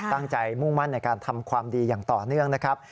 มุ่งมั่นในการทำความดีอย่างต่อเนื่องนะครับ